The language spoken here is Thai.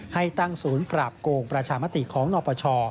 ให้ตั้งศูนย์ปราบโกงประชามติของนปช